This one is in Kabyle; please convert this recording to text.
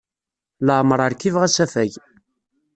Laɛmeṛ rkibeɣ asafag.